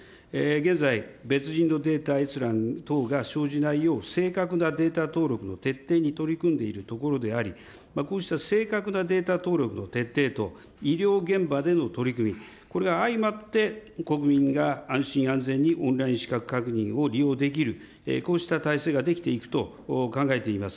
現在、別人のデータ閲覧等が生じないよう、正確なデータ登録の徹底に取り組んでいるところであり、こうした正確なデータ登録の徹底と、医療現場での取り組み、これが相まって、国民が安心、安全にオンライン資格確認を利用できる、こうした体制が出来ていくと考えています。